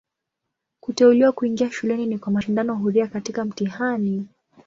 Kuteuliwa kuingia shuleni ni kwa mashindano huria katika mtihani.